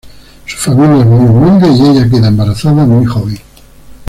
Su familia es muy humilde y ella queda embarazada muy joven.